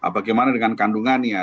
bagaimana dengan kandungannya